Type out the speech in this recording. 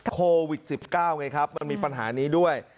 โควิด๑๙ไงครับมันมีปัญหานี้ด้วย